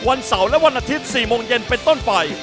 วันเสาร์และวันอาทิตย์๔โมงเย็นเป็นต้นไป